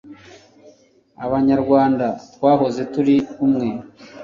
abanyarwanda twahoze turi umwe